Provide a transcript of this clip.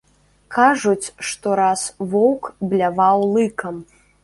Кажуць, што раз воўк бляваў лыкам.